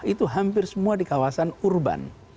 itu hampir semua di kawasan urban